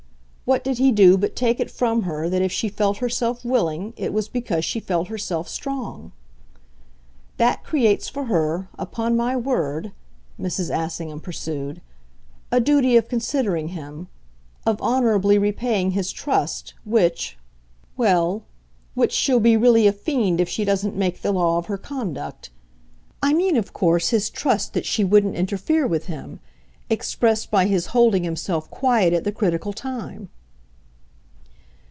What did he do but take it from her that if she felt herself willing it was because she felt herself strong? That creates for her, upon my word," Mrs. Assingham pursued, "a duty of considering him, of honourably repaying his trust, which well, which she'll be really a fiend if she doesn't make the law of her conduct. I mean of course his trust that she wouldn't interfere with him expressed by his holding himself quiet at the critical time."